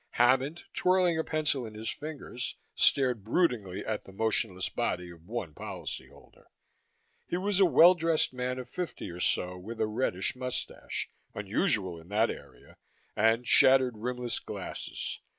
Hammond, twirling a pencil in his fingers, stared broodingly at the motionless body of one policyholder. He was a well dressed man of fifty or so, with a reddish mustache, unusual in that area, and shattered rimless glasses.